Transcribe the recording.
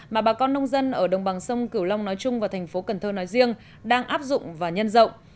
mà bà con nông dân ở đồng bằng sông cửu long nói chung và thành phố cần thơ nói riêng đang áp dụng và nhân rộng